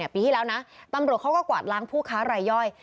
ปีที่แล้วนะตำรวจเขาก็กวาดล้างผู้ค้ารายย่อย